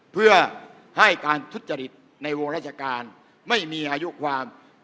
เพื่อให้การทุจริตในวงราชการไม่มีอายุความ